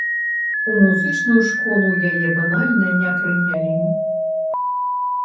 У музычную школу яе банальна не прынялі.